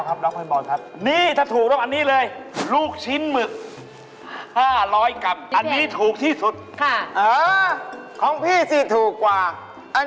หรือจะกินเต้าหู้ปลารูปควาย